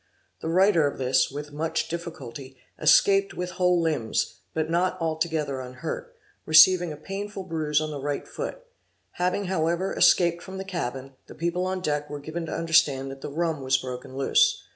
The writer of this, with much difficulty, escaped with whole limbs; but not altogether unhurt, receiving a painful bruise on the right foot: having, however, escaped from the cabin, the people on deck were given to understand that the rum was broken loose.